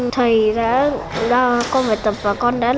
thầy đã có việc tập và con đã